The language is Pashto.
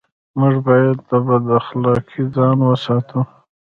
موږ بايد له بد اخلاقۍ ځان و ساتو.